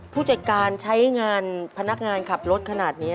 เพราะว่าไปไหนก็ต้องไป